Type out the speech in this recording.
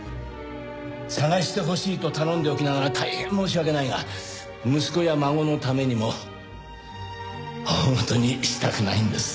捜してほしいと頼んでおきながら大変申し訳ないが息子や孫のためにも大事にしたくないんです。